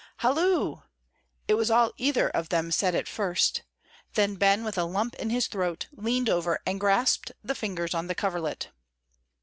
"Halloo!" It was all either of them said at first; then Ben, with a lump in his throat, leaned over and grasped the fingers on the coverlet.